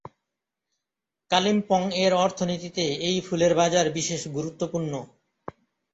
কালিম্পং-এর অর্থনীতিতে এই ফুলের বাজার বিশেষ গুরুত্বপূর্ণ।